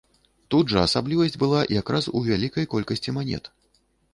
Тут жа асаблівасць была якраз у вялікай колькасці манет.